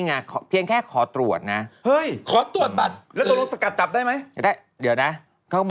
เฮ้ยทำไมทำไมครับ